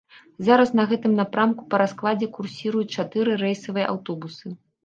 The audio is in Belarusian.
Зараз на гэтым напрамку па раскладзе курсіруюць чатыры рэйсавыя аўтобусы.